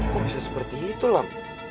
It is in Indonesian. kok bisa seperti itu bang